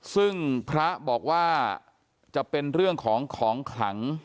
ซึ่งพระบอกว่าจะเป็นเรื่องของของขลัง